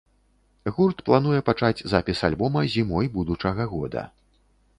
Гурт плануе пачаць запіс альбома зімой будучага года.